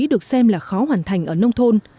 được xem là khó hoàn thành ở nông thôn